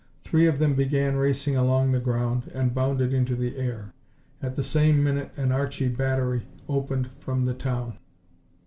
Three of them began racing along the ground and bounded into the air. At the same minute an Archie battery opened from the town.